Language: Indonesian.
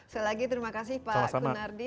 selagi terima kasih pak kunardi